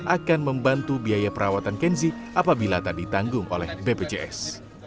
akan membantu biaya perawatan kenzi apabila tak ditanggung oleh bpjs